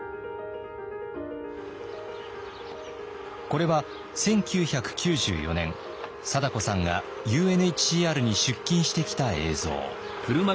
これは１９９４年貞子さんがＵＮＨＣＲに出勤してきた映像。